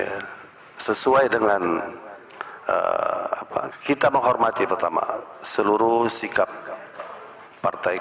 bahwa pks sesuai dengan kita menghormati pertama seluruh sikap partai kami